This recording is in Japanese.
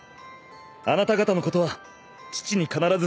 あなた方のことは父に必ず伝えます。